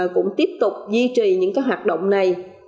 cũng tiếp tục duy trì những hoạt động này